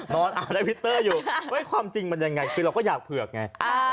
อ่านในวิตเตอร์อยู่ความจริงมันยังไงคือเราก็อยากเผือกไง